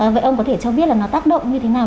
vậy ông có thể cho biết là nó tác động như thế nào